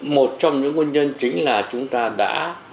một trong những nguyên nhân chính là chúng ta đã